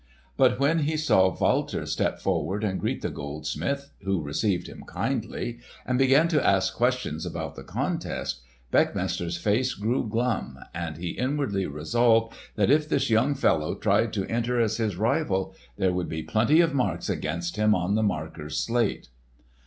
But when he saw Walter step forward and greet the goldsmith, who received him kindly, and begin to ask questions about the contest, Beckmesser's face grew glum, and he inwardly resolved that if this young fellow tried to enter as his rival, there would be plenty of marks against him on the marker's slate.